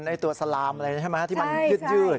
ในตัวสลามอะไรใช่ไหมที่มันยืด